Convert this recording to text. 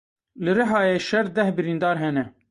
Li Rihayê şer deh birîndar hene.